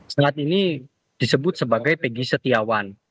senat ini disebut sebagai pegi setiawan